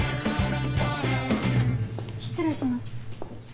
失礼します。